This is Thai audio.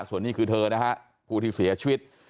ส่วนนี้คือเธอนะฮะผู้ที่เสียชีวิต